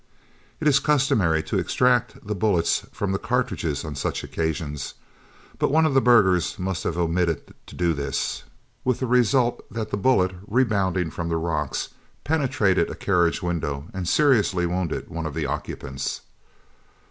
It is customary to extract the bullets from the cartridges on such occasions, but one of the burghers must have omitted to do this, with the result that the bullet, rebounding from the rocks, penetrated a carriage window, and seriously wounded one of the occupants.